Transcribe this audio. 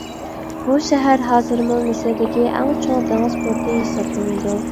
بۇ شەھەر ھازىرمۇ مىسىردىكى ئەڭ چوڭ دېڭىز پورتى ھېسابلىنىدۇ.